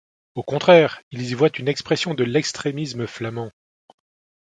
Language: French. Au contraire, ils y voient une expression de l'extrémisme flamand.